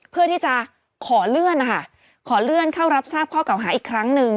เพื่อที่จะขอเลื่อนนะคะขอเลื่อนเข้ารับทราบข้อเก่าหาอีกครั้งหนึ่ง